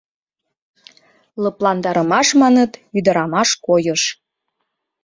Лыпландарымаш, маныт, ӱдырамаш койыш.